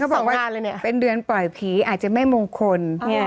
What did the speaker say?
บอกว่าเป็นเดือนปล่อยผีอาจจะไม่มงคล